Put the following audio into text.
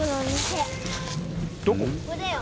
ここだよ。